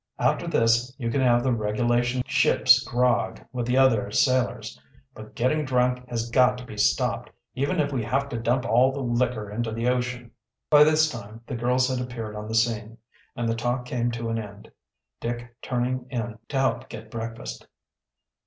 After this you can have the regulation ship's grog, with the other sailors. But getting drunk has got to be stopped, even if we have to dump all the liquor into the ocean." By this time the girls had appeared on the scene, and the talk came to an end, Dick turning in to help get breakfast.